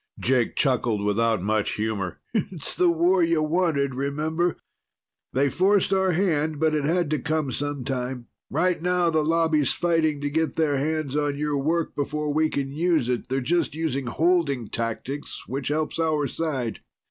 Jake chuckled without much humor. "It's the war you wanted, remember? They forced our hand, but it had to come sometime. Right now the Lobby's fighting to get their hands on your work before we can use it; they're just using holding tactics, which helps our side.